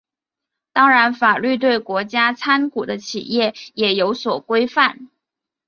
当然法律对国家参股的企业也有所规范。